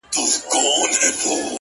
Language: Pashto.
• امریکا ته راوستل سوي وه ,